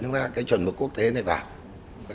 chúng ta cái chuẩn mực quốc tế này vào